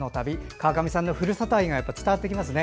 川上さんのふるさと愛が伝わってきますね。